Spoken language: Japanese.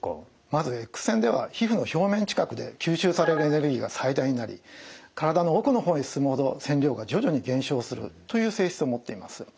まずＸ線では皮膚の表面近くで吸収されるエネルギーが最大になり体の奥の方へ進むほど線量が徐々に減少するという性質を持っています。